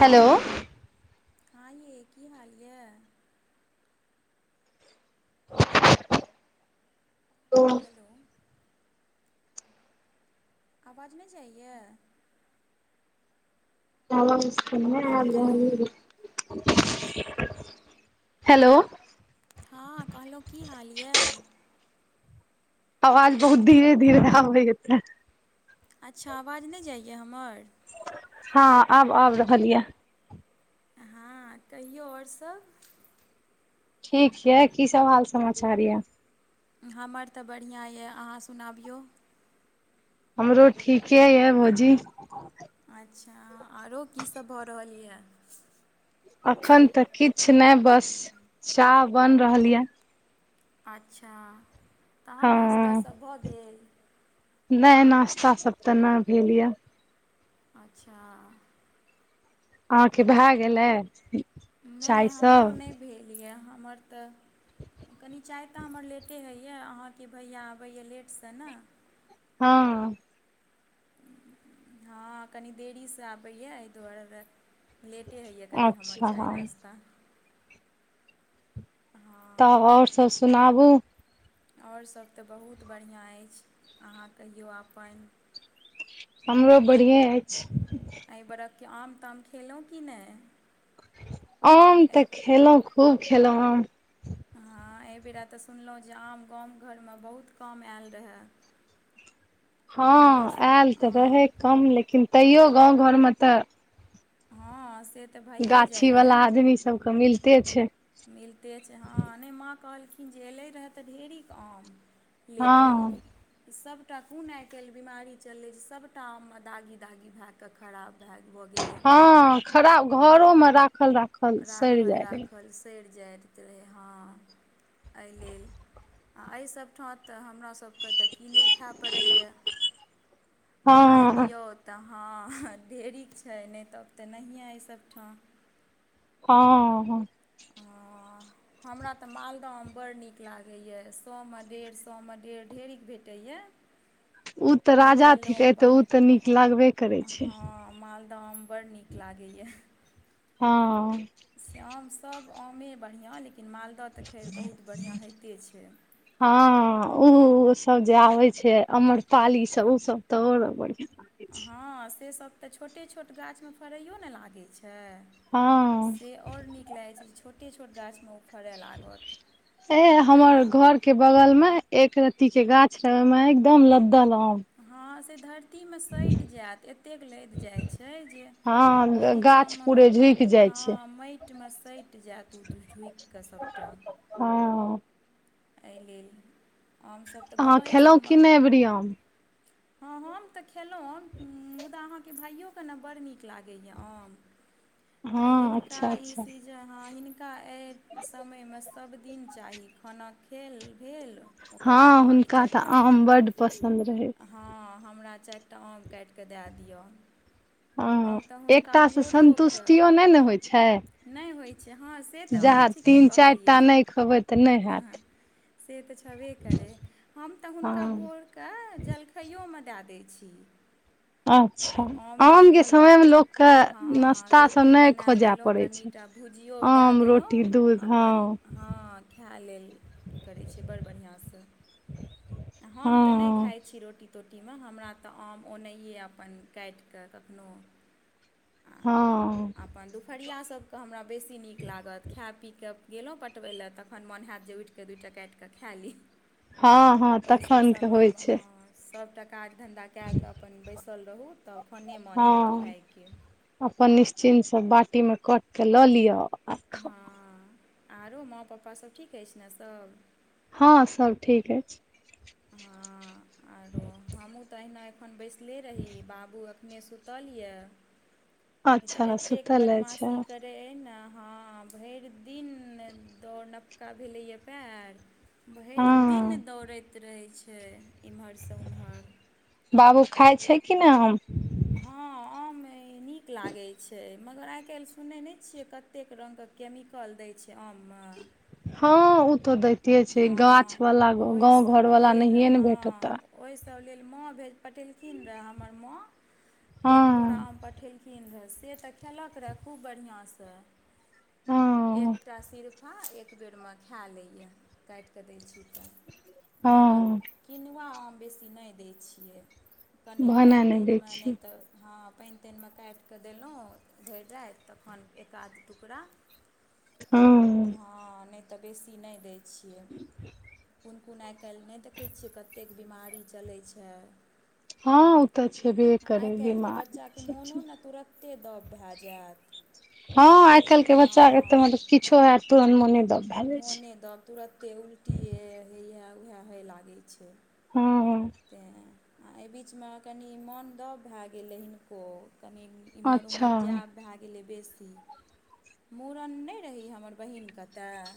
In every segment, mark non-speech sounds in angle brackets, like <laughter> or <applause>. Hello ये ओ hello आवाज नहि जाइए हेलो हेलो हँ कहलहुँ की हाल यऽ। आवाज बहुत धीरे धीरे आबय ये अच्छा आवाज नहि जाइए हमर। हँ आब आबि रहल यऽ। हँ कहियौ आओर सभ ठीकछैकी सब हाल समाचार ये। हमर तऽ बढ़िआँ यऽ अहाँ सुनाबियौ। हमरो ठीके यऽ भौजी। ओ अच्छा आरो कीसभ भऽ रहल यए। अखन तऽ किछु नहि बस चाह बन रहल ये। अच्छा तहन नास्ता हँ सब भऽ गेल। नहि नाास्ता सब तऽ नहि भेल यऽ अच्छा। अहाँके भए गेलै नहि चाय हमरो नहि स-ब भेल यऽ हमर तऽ- कनी चाय तऽ हमर लेटे होइएा अहाँके भैया अबैया लेटसँ ने। हँ। हँ कनी देरीसँ आबैए एहि दुआरे। लेटे होइए कनि हमर अच्छा चाय हँ नाश्ता। हँ तऽ आओर सब सुनाबू। आओर सभ तऽ बहुत बढ़िआँ अछि अहाँ कहियो अपन। हमरो बढ़िेँक्षये अछि। एहि बर्कके आम ताम खेलहुँ किी नहि। आम तऽ खेलहुं खूब खेलौं आम। हँ एहिबेर तऽ सुनलहुँ जे आम गाम घरमे बहुत काम आयल रहय। ? हँ आयल तऽ रहै कम लेकिन तैयो गाँव घरमे तऽ। हँ से। तऽ भइए गाछी वाला जाइए आदमी सबके मिलते छै। मिलते छै हँ नय माँ कहलखिन जे एलै रहए तऽ ढेरिक आम। हँ लेकिन। सबटा कुन आइ काल्हि बीमारी चललै जे सबटा आम मे दागी दागी भए के खराब भए भऽ गेलै। हँ खराब घरो मे राखल राखल। सड़ि राखल जाइ रहै राखल स। सरि जाइत रहै हँ अहि लेल एहि सब हँ तऽ हमरासकेँ तऽ कीने खै पड़ैए। पाइ हँ दियौ तऽ हँ ढेरिक छै नय तऽ तऽ नहिए अय सब ठाम। हँ हँ। हँ। हमरा तऽ मालदह आम बड़ नीक लागैए सौमे डेढ़ सौमे डेढ़ ढेरिक भेटैए। <inaudible> उ तऽ राजा निकललहुँ थिकै तऽ उ बाहर तऽ नीक लागबे करै छै। हँ मालदह आम बड़ नीक लागैए। हँ। से आमसभ आमे बढ़ियाँ लेकिन मालदह तऽ खैर बहुत बढ़ियाँ होइते छै। हँ उ ओ सब जे आबे छै अम्रपाली सब ओसभ। तऽ आओर बढ़ियाँ। हँ से सभ तऽ छोटे छोट गाछमे फड़ैयो न लागै छै। हँ से आओर नीक लागै छै छोटे छोट गाछ मे ओ फड़य लागत ए हमर एहिना घर- के बगल मे एक रति के गाछ रहे ओ मे एकदम लद्दल आम हँ से धरतीमे सटि जायत एतेक लदि जाइ छै जे उ हँ निचां गाछ मे पूरे मिट झुकि जाइ हँ छै माइट टिमे सटि जायत ओ झुकिकऽ सभटा। हँ। एहि लेल हमसभ तऽ अहाँ गाँवे खेलहुँ सबमे। कि नहि अबरी आम हँ हम तऽ खेलहुँ आम मुदा अहाँके भाइयो के न बड़ नीक लागैए आम। तऽ हँ हिनका अच्छा ई अच्छा सिज। जे हँ हिनका एहि समयमे सभ दिन चाही खाना खेल भेल। ओकर बाद हँ कहत हुनका तऽ चारिटा आम। बड्ड पसन्द रहै हँ हमरा चारिटा आम काटिकऽ दए दिअ। हँ हम तऽ हुनका एकटासँ सन्तुष्टियो नय ने होइ छै। नय होइ छै हँ से तऽ अहाँ जहाँ ठीके तीन चारि कहलियै। टा नय खेबै तऽ नय हैत। से तऽ छबे करै हम तऽ हुनका हँ भोर के जलखैयो मे दए दै छियै। अच्छा ओमे आमके कहलौं समयमे लोकके हँ नाश्ता सब रोटी नहि बना खोजय देलौं पड़ै छै कनिटा। भुजियो दए आम देलौं रोटी दूध अपन हँ हँ खै लेल। करै छै बड़ बढ़ियाँसँ। <inaudible> आ हम तऽ नय खाइ छी रोटी। तोटीमे हमरा तऽ आम ओनाहिए अपन काटि कऽ कखनो। हँ। अपन दुपहरिया सबके हमरा बेसी नीक लागत खै पी कऽ गेलो पटबै लए तखन मोन हैत जे उइठ कऽ के दूटा कइट कऽ खै ली हँ हँ ओइ सब तखन के होइ समयमे छै हाँ सभटा काज धन्धा के कऽ अपन बैसल रहू तखने मोन हैत हँ खाइके अपन निश्चिन् से बाटी मे कक लऽ लिअ। आ खाउ अहँ आरो माँ पप्पा सभ ठीक अइछ ने सब हँ सब ठीक ऐछ हँ आरो हमहूँ तऽ एहिना एखन बैसले रही बाबू एख अपने सुतल य नइ तऽ अच्छा ऐतेक सुतल अछि बदमासी करे ्रे न हँ भैर दिन दौ नवका भेलैय पएर भैर दिन हँ दौड़ैत रहै छै एम्हरसँ ओम्हर बाबू खााय छै कि नय आम हँ आम नीक लागै छै मगर आइ काइल सुनै नइ छियै कतेक रङ्गके केमिकल दै छै आममे हँ ऊ तऽ दैते छै गाछ हँ वाला गाँंव घर वाला नहिये ने भेटता ओहि सब लेल माँ भेज पटेलखिन रहऽ हमर माँ एक बोरा हँ आम पठेलखिन रहए से तऽ खेलक रहए खूब बढ़िआँ स हँ एकटा सिरफा एक बेरमे खा लैए काईट कऽ दै छी तऽ मगर हँ किनुआ आम बेसी नय दै छियै कनि भने पइन नहि तइन दै मे नय छियै तऽ हँ पइन तइन मे काइट कऽ देलु भेर राइत तखन एकाध टुकड़ा हँ हँ नइ तऽ बेसी नइ दै छियै कोन कोन आइ काइल नय देखै छियै कतेक बमारी चलै छै हँ ओ तऽ छेबे आइ करै काइलके बिमारी बच्चाके सब छै मोनो ने तुरत्ते दब भेए जायत हँ आइ काल्ह के बच्चा तुरंत किछो हैत तुरन्त मोने दब भए जाइ छै मोने दब तुरन्ते उल्टियए हए उएह होइ लागैत छै हँ तैँ आ एहि बीचमे कनि मन दब भऽ गेलै हिनको कनि एम्हर अच्छा ओम्हर जाएब भए गेलै बेसी मूड़न नइ रही हमर बहिन क अतय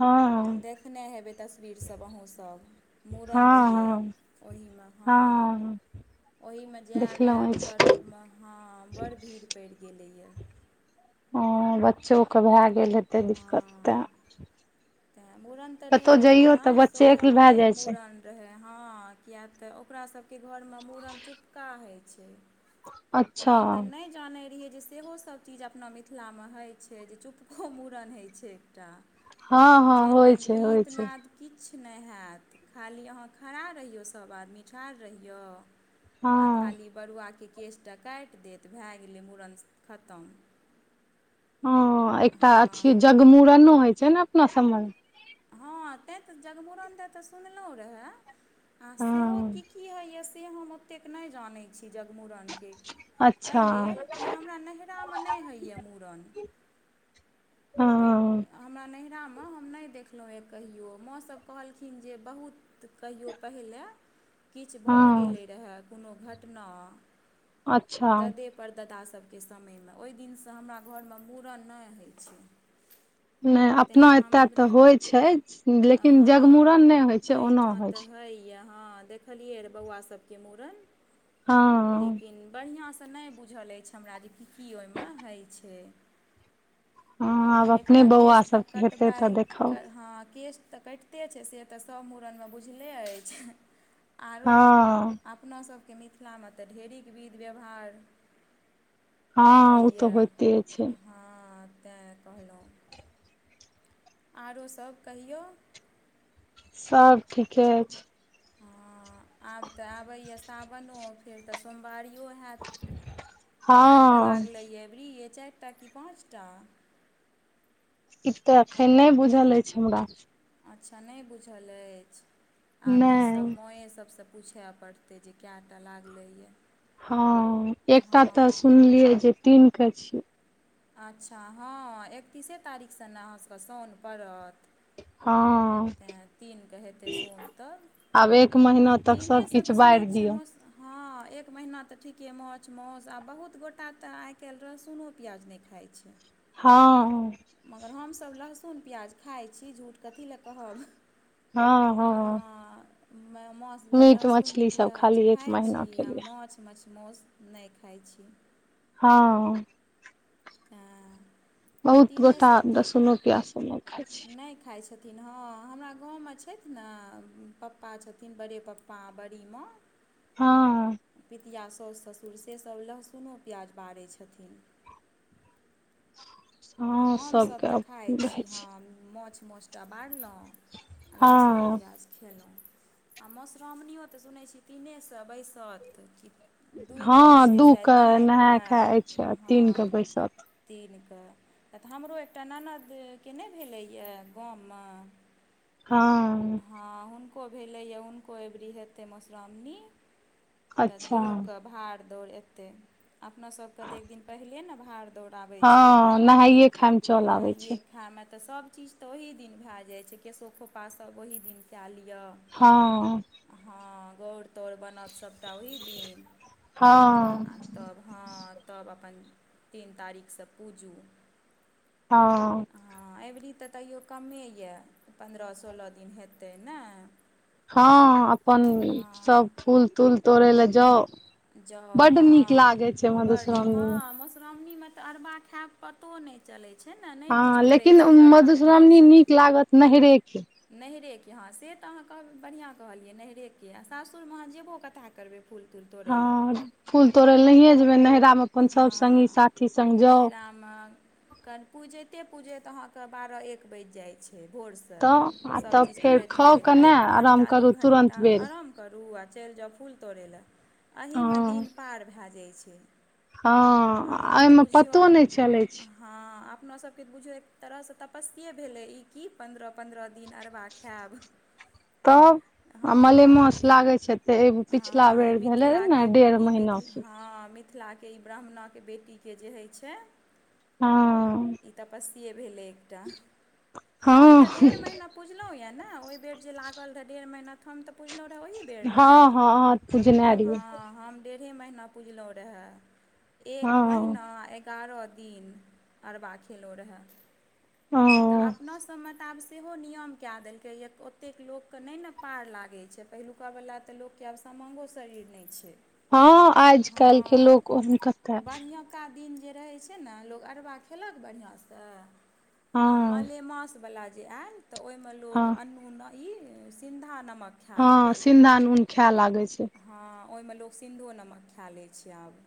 हँ देखने हेबै तस्वीर सभ अहूँसभ मूड़न हँ रहियै हँ ओही म हँ ओहीमे जायब देखलहुँ आयब अछि करबम हँ बड़ भीड़ पैड़ गेलैए हँ बच्चोक भाए गेल हेतै दिक्कत हँ तैं मूड़न तऽ रहे ओहिना भए सोझउके जाइ मूड़ छै ड़न रहै हँ किया तऽ ओकरा सबके घरमे मूड़न चुपका होइ छै अच्छा हम तऽ नय जानै रहियै जे सेहो सभ चीज अपना मिथिलामे होइ छै जे चुपको मूड़न होइ छै एकटा हँ हँ जाइमे होइ छै होइ गीत छै नाद किछ नय हैत खाली अहाँ खड़ा रहियौ सभ आदमी ठाढ़ रहियो हँ आ खाली बरुआके केसटा काइट देत भै गेलै मूड़न खतम हँ एकटा हँ अथी जगमूड़नो होइ छै ने अपना सबमे हँ तैं तऽ जगमुरन दऽ तऽ सुनलौं रहए आ सेहो हँ की की होइए से हम ओतेक नै जनै छीयै जगमुड़न एहि अच्छा लेल कि हमरा नैहिरामे नै होइए मूड़न हँ हमरा नैहरामे हम नै देखलौं एक कहियो माँसब कहलखिन जे बहुत तऽ कहियो पहिलए किछु भऽ हँ गेलै रहय कोनो घटना अच्छा ददे परदादा सबके समयमे ओई दिनसँ हमरा घरमे मूड़न नै होइ छै नै तेँ अपना एतत हमरा तऽ होय छै लेकिन हँ जगमूड़न नै होय छै ओना एहिठाम होय तऽ है या हँ देख देखलिरए बउआ सबके मुड़न हँ लेकिन बढिया स से नै बुझल अछि हमरा जे कि की ओहिमे होइ छै हँ ह आब अपने एकटा केश बौआ तऽ सबके हेतै तऽ कटबाइ देखब हँ केश तऽ कटि- कते छै से तऽ सब मूड़नमे बुझले अछि आरो हँ अपना सब के मिथिलामे तऽ ढेरिक विध व्यवहार हँ उ होइए तऽ होइते छै हँ तैँ कहलौं आओरो सब कहियौ सब ठीके छै हँ आब तऽ आबैए सावनो फेर तऽ सोमवारियो होयत कएटा हँ लागलै अबरी चारि चारि टा कि पाँच टा ई तऽ अखन नै बुझल अछि हमरा अच्छा नै बुझल अछि आब ईसब नहि माँ सबसँ पूछए पड़तै जे कएटा लागलैएऽ या हँ एकटा तऽ सुनलियै जे तीन के छियै अच्छा हँ एकतीसे तारीखसँ ने अहाँसबके साउन पड़त हँ तैँ तीनक हेतै सोम तब आब एक आ महीना तक तीनेसँ सबकिछु तऽ सुनै बारि छियै दियौ मौस हँ एक महिना तऽ ठीके मौछ मासु आ बहुत गोटा तऽ आइकाल्हि रहसुनो प्याज नै खाइ छै हँ मगर हमसब लहसुन प्याज खाइ छी झूठ कथीलए कहब हँ मे मो द बेर मीट लहसुन मछली सब प्याज खाली एक खाइ छी महीना के आ लिए माछ मछ मौस नै खाइ छी हँ तैं बहुत गोटा दहसुनो प्यास सब नै खाइ छै नै खाइ छथिन हँ, हमरा गाँवमे छथि ने पप्पा छथिन बड़े पप्पा पाँ बरीमे हँ। पितिया साउसु ससुर सेसब लहसुनो प्याज बारै छथिन। आ हँ हमसब सबके तऽ आब खाइ रहै छी छै हँ माछ मौस टा बारलौं आ लहसुन हँ प्याज खेलौं आ मधुश्रावणियओ तऽ सुनै छीयै तीने स बैसत की दुइ कऽ हँ छियै दू शायद के नहाय खाय अछि आ तीन के हँ बैसत दिनक कऽ तऽ हमरो एकटा ननदके नहि भेलैए गाममे।। हँ। हँ हुनको भेलैया हुनको अबरी हेतै मधुश्राावणी। तऽ अच्छा दूहकेऽ भाड़ दौड़ एतै अपनासभके तऽ एक दिन पहिनेे ने भाड़ दौड़ै। दौड़ाबै छै हँ नहाइए खायमे चल आबै नहाइे। छै खायइमे तऽ सभ चीज तऽ ओहि दिन भए जाइ छै केशो खोपास सब ओहि दिन कए लिअ। हँ।। हँ गौर तौउर बनत सभटा ओही दिन हँ आ। तब हँ तब अपन तीन तारीखसँ पूजू। हँ।। हँ अबरी तऽ तैयो क्मे यऽ पन्द्रह सोलह दिन हेतै ने। हँ अपन सब हँ फूल तूल तोड़य लए जाउ। जाउ बड नीक लागे छै हँ बड़ नीक मधुश्रावणी हँ मे मधुश्रावणीमे तऽ अरबा खायब पड़। कतो नहि चलैत छै ने नहि हँ बुझि पड़ैत छै जे अरवा खाइ छी। नहि हर कि। नैरेके हँ से तऽ अहाँ बढ़िआँ कहलियै नैहरेके आ सासुरमे अहाँ जेबो कथा करबै। फूल तूल तोड़ै ल। हँ फूल तोड़ै लए नहिए जेबै नैरामे अपन सभ सङ्गी साथी सङ्ग जाउ। क पूजैते पूजैत अहाँके बारह एक बाजि जाइ छै भोर। से तऽ आ सब तब चीज फेर करैत खाउ धरैत कने एक आराम घण्टा दू करू घण्टा तुरन्त बेर आराम। करू आ चलि जाउ फूल तोड़य लऽ एहिहमे हँ दिन पार भए जाइ छै।। आ हँ ओना तऽ एहिमे बुझियौ पतो आब नहि चलैत छै।। हँ अपना सबके तऽ बुझिय एक तरहसँ तपस्ये भेलै ई कि पन्द्रह पन्द्रह दिन अरबा खायब। <inaudible> तब। आ हँ मलेमास ई लागै छै तऽ एगो पिछिला हँ ई बेर भेलै रह ने मिथिलाके डेढ़ ई मिथिल महीनाके। हँ मिथिलाके ई ब्राह्मणाके बेटीके जे होइत छै। हँ।। ई तपस्ये भेलै एकटा हम हँ तऽ हँ डेढ़ मना। पुझलहुॅँ यऽ ने ओहि बेर जे लागल रहै डेढ़ महीना तऽ हम तऽ। हँ हाथ पुजने रहियै हां हम। डेढ़े महिना पुजलहुँ रहए। एक हँ महीना एगारह दिन अरवा खेलहुँ रहए। तऽ हँ अपोसँ बता आब। सेहो नियम कए देलकै ओतेक लोकके नहि ने पार लागै छै पहिलुका वला तऽ लोक। किियाब समामङ्गो शरीर नहि छै।। हँ आज कल्हिके लोक। बढ़िियँका दिन जे रहैत छै ने लोक अरवा खेलक बढ़िआँसँ। आ हँ मलेमास वला जे आयल तऽ ओहिमे ल हँ अ। ई सिन्धा नमक। खाए हँ लागल सिन्दा नून खाय लागैत छै।। हँ ओहिमे ल सिन्धो नमक खा लै छै आब।।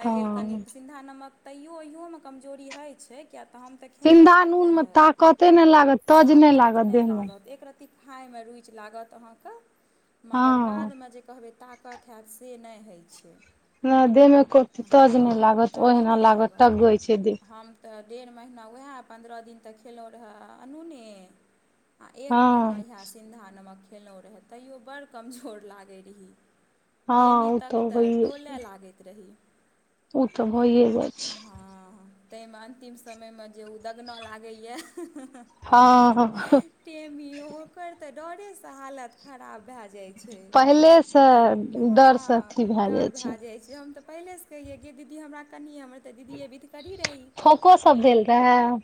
एहि लेलेल कनी हँ सिन्धा नमक तैयो ओहिओमे कमजोरी होइत छै।। किया तऽ हम तऽ सिन्धा खेलहुँं नून मे रहै ताकते नहि लागत तज ताकत लागत देह नहि मे लागत एकरत्ती।। खाायमे रूचि लागत अहाँके मगर हँ बादमे जे कहबै।। ताकत हैत से नहि होइ छै।। नहि देहमे को हँ तज नहि लागत तज ओहिना नहि लागत टगई छै देह। हम तऽ डेढ़ महिना वएह पन्द्रह दिन तक खेलहुँ रहऽ अनूने। आ एक हँ महिीना इएह सिन्धा नमक खेललहुँ रहथि। तैयो बड़ कमजोर लागै रही हँ प्रेमी ओ तक तऽ होइये डोलय लागैत रही।। ओ तऽ भइये जाइ छै।। हँ, ताहिमे अन्तिम समयमे जे ओ दगना लागैए। हँ तमओो। पर ते डरे से हालत खराब भय जायत। क पहिलेसँ छी। डरसँ अथी भए जाइ छै पहिलेसँ कहिै ग दीदी हमरा कनि हमर तऽ दीदीे बीध करी रही फोको सब भेल आओर।। रहै